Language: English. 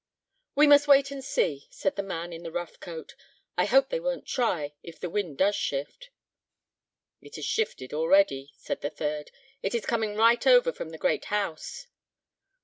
"We must wait and see," said the man in the rough coat. "I hope they won't try, if the wind does shift." "It has shifted already," said the third; "it is coming right over from the great house."